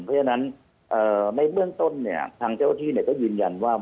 เพราะฉะนั้นในเบื้องต้นเนี่ยทางเจ้าที่ก็ยืนยันว่า